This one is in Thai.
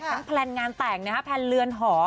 แพลนงานแต่งนะฮะแพลนเรือนหอ